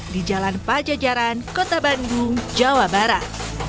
di jalan pajajaran kota bandung jawa barat